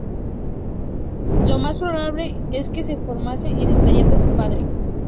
Lo más probable es que se formase en el taller de su padre.